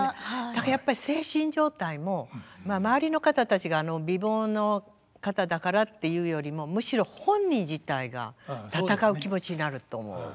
だからやっぱり精神状態もまあ周りの方たちが美貌の方だからっていうよりもむしろ本人自体が戦う気持ちになると思う。